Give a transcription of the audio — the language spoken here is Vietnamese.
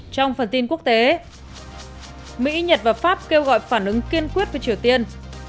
trong phần tin quốc tế mỹ nhật và pháp kêu gọi phản ứng kiên quyết với triều tiên